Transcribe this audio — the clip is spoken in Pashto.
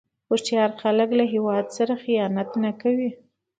هوښیار خلک له هیواد سره خیانت نه کوي.